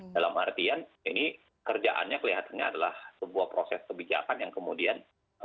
dalam artian ini kerjaannya kelihatannya adalah sebuah proses kebijakan yang kemudian